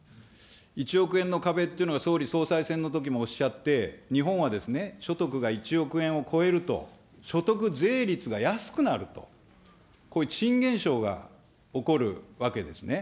１億円の壁っていうのを総理、総裁選のときもおっしゃって、日本は所得が１億円を超えると所得税率が安くなると、こういう珍現象が起こるわけですね。